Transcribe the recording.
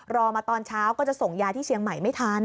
รอมาตอนเช้าก็จะส่งยาที่เชียงใหม่ไม่ทัน